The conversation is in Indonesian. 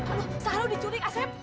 aduh seharusnya diculik asep